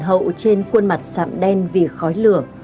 hậu trên quân mặt sạm đen vì khói lửa